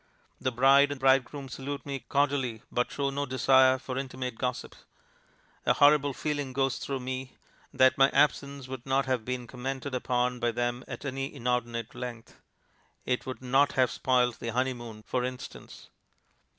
The bride and bridegroom salute me cordially but show no desire for intimate gossip. A horrible feeling goes through me that my absence would not have been commented upon by them at any inordinate length. It would not have spoilt the honeymoon, for instance.